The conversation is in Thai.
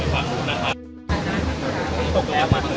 หัวหน้าหน้า